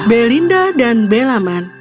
belinda dan belaman